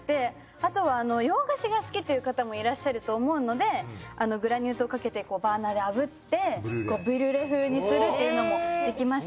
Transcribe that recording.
あとは洋菓子が好きっていう方もいらっしゃると思うのでグラニュー糖かけてバーナーであぶってブリュレ風にするっていうのもできます。